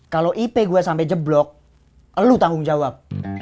kalo ip gue sampe jeblok elu tanggung jawab